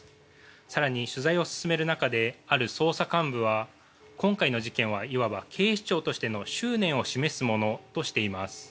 更に、取材を進める中である捜査幹部は今回の事件はいわば警視庁としての執念を示すものとしています。